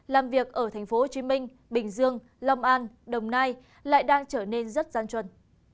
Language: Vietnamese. làm việc ở thành phố hồ chí minh bình dương lòng an đồng nai lại đang trở nên rất gian truần